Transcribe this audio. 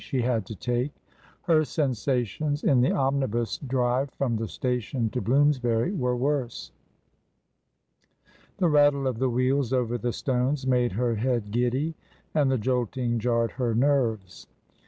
he had to take ; her sensations in the omnibus drive from the station to Bloomsbury were worse. The rattle of the wheels over the stones made her head giddy, and the jolting jarred her nerves.